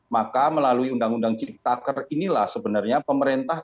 maka melalui undang undang cipta kerja inilah sebenarnya pemerintah